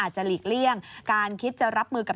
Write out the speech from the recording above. หลีกเลี่ยงการคิดจะรับมือกับ